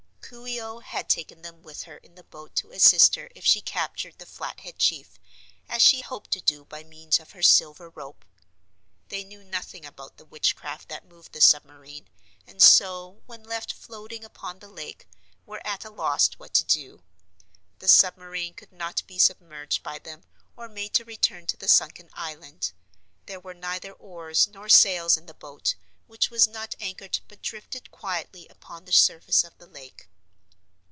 Coo ee oh had taken them with her in the boat to assist her if she captured the Flathead chief, as she hoped to do by means of her silver rope. They knew nothing about the witchcraft that moved the submarine and so, when left floating upon the lake, were at a loss what to do. The submarine could not be submerged by them or made to return to the sunken island. There were neither oars nor sails in the boat, which was not anchored but drifted quietly upon the surface of the lake.